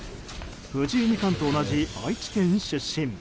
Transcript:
藤井二冠と同じ愛知県出身。